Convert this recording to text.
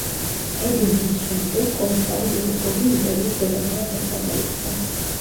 ედირნეს შემდეგ, კონსტანტინეპოლი იმპერიის დედაქალაქად გადაიქცა.